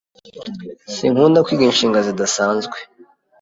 Sinkunda kwiga inshinga zidasanzwe.